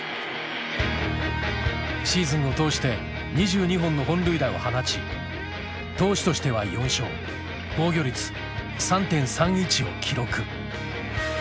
シーズンを通して２２本の本塁打を放ち投手としては４勝防御率３．３１を記録。